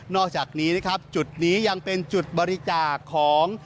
อกจากนี้นะครับจุดนี้ยังเป็นจุดบริจาคของ